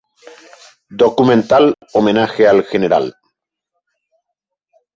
Documental Homenaje al Gral.